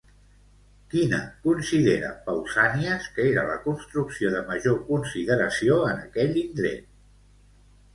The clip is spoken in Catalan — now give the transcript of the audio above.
Quina considera Pausànies que era la construcció de major consideració en aquell indret?